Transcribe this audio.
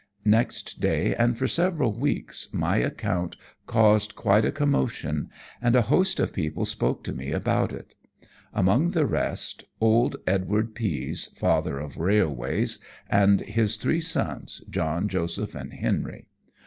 Next day, and for several weeks, my account caused quite a commotion, and a host of people spoke to me about it; among the rest old Edward Pease, father of railways, and his three sons, John, Joseph, and Henry.